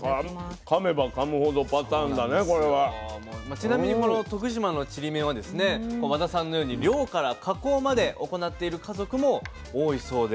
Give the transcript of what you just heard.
ちなみにこの徳島のちりめんはですね和田さんのように漁から加工まで行っている家族も多いそうで。